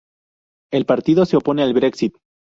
El partido se opone al Brexit.